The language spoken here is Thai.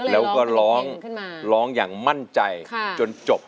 แล้วก็ร้องอย่างมั่นใจจนจบ